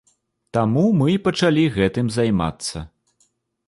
Таму мы і пачалі гэтым займацца.